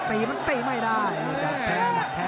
แล้วทีมงานน่าสื่อ